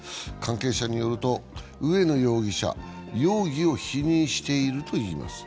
関係者によると、植野容疑者、容疑を否認しているといいます。